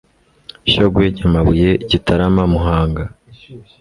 Shyogwe Nyamabuye Gitarama Muhanga